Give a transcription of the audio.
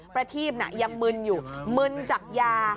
ประทีพยังมึนอยู่มึนจากยา